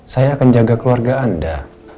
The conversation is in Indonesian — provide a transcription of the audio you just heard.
saya akan jaga keluarga anda